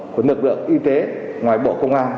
của lực lượng y tế ngoài bộ công an